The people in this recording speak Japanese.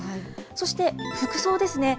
そして服装ですね。